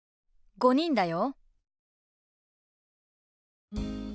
５人だよ。